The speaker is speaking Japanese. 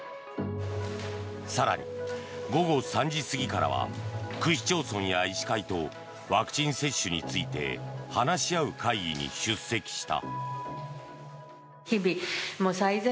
更に午後３時過ぎからは区市町村や医師会とワクチン接種について話し合う会議に出席した。